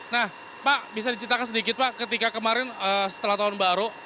nah pak bisa diceritakan sedikit pak ketika kemarin setelah tahun baru